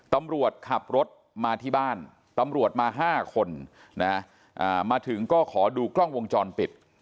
ตำรวจขับรถมาที่บ้านตำรวจมา๕คนมาถึงก็ขอดูกล้องวงจรปิด